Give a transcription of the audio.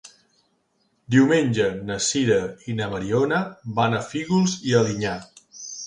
Diumenge na Sira i na Mariona van a Fígols i Alinyà.